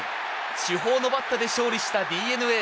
主砲のバットで勝利したＤｅＮＡ。